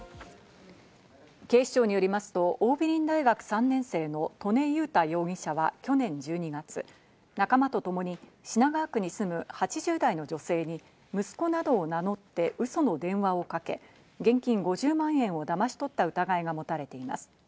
警視庁によりますと、桜美林大学３年生の刀禰雄太容疑者は去年１２月、仲間とともに品川区に住む８０代の女性に息子などを名乗ってウソの電話をかけ、現金５０万円をだまし取った疑いがもたれています。